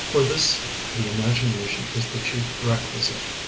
For this the imagination is the chief requisite.